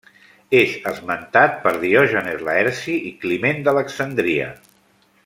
És esmentat per Diògenes Laerci i Climent d'Alexandria.